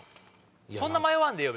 そんな迷わんでええよ